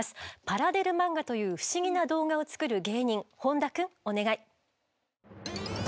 パラデル漫画という不思議な動画を作る芸人本多くんお願い。